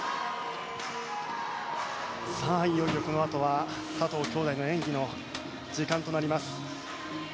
いよいよこのあとは、佐藤姉弟の演技の時間となります。